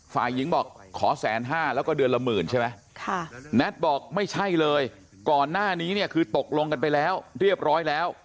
ฝ่ายหญิงบอกขอแสนห้าแล้วก็เดือนละหมื่นใช่ไหมแน็ตบอกไม่ใช่เลยก่อนหน้านี้เนี่ยคือตกลงกันไปแล้วเรียบร้อยแล้ว